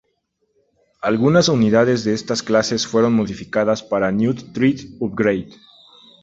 Algunas unidades de estas clases fueron modificadas para New Threat Upgrade.